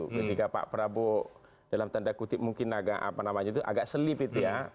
ketika pak prabowo dalam tanda kutip mungkin agak apa namanya itu agak selip itu ya